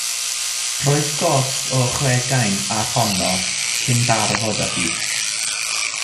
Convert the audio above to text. Rhoes gost o chweugain ar honno cyn darfod â hi.